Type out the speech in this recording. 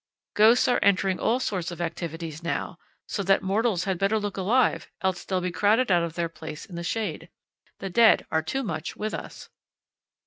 Ghosts are entering all sorts of activities now, so that mortals had better look alive, else they'll be crowded out of their place in the shade. The dead are too much with us!